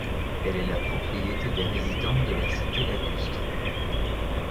Elle est la propriété des résidents de la cité lacustre.